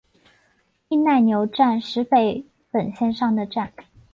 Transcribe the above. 伊奈牛站石北本线上的站。